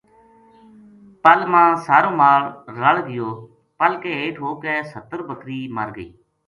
پَل ما سارو مال رَل گیو پل کے ہیٹھ ہو کے سَتر بکری مر گئی